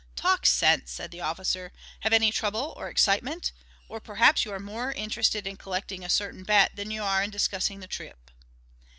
"Talk sense," said the officer. "Have any trouble or excitement? Or perhaps you are more interested in collecting a certain bet than you are in discussing the trip."